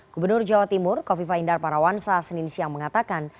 gubernur jawa timur kofi faindar parawansa senin siang mengatakan